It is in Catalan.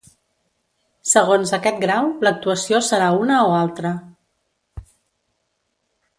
Segons aquest grau l'actuació serà una o altre.